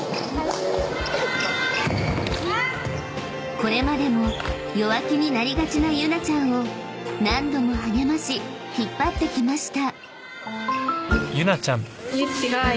［これまでも弱気になりがちなユナちゃんを何度も励まし引っ張ってきました］